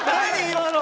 今の。